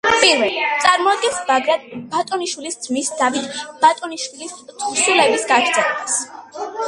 პირველი წარმოადგენს ბაგრატ ბატონიშვილის ძმის დავით ბატონიშვილის თხზულების გაგრძელებას.